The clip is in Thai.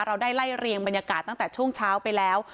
เราได้ไล่เรียงบรรยากาศตั้งแต่ช่วงเช้าไปแล้ว